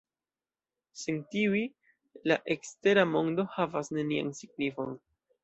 Sen tiuj, la ekstera mondo havas nenian signifon.